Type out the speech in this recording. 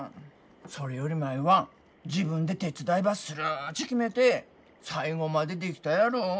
それより舞は自分で手伝いばするっち決めて最後までできたやろ。